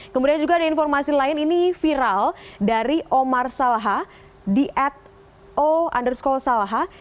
kemudian juga ada informasi lain ini viral dari omar salha di at o underscore salha